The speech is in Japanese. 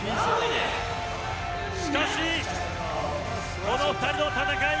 しかし、この２人の戦い